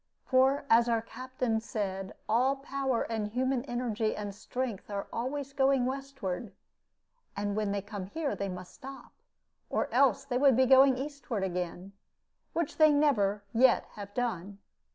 For, as our captain said, all power and human energy and strength are always going westward, and when they come here they must stop, or else they would be going eastward again, which they never yet have done.